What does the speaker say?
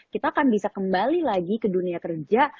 kita akan bisa kembali lagi ke dunia kerja